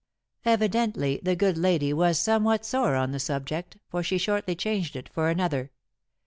Evidently the good lady was somewhat sore on the subject, for she shortly changed it for another.